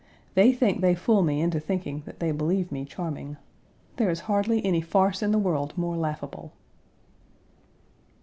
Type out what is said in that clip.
They think they fool me into thinking that they believe me charming. There is hardly any farce in the world more laughable."